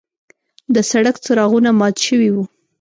د سړک څراغونه مات شوي وو.